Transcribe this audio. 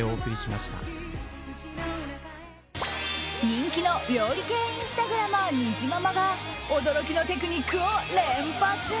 人気の料理系インスタグラマーにじままが驚きのテクニックを連発。